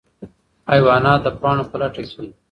حیوانات د پاڼو په لټه کې دي.